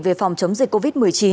về phòng chống dịch covid một mươi chín